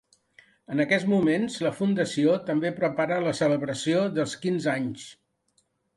En aquests moments, la fundació també prepara la celebració dels quinze anys.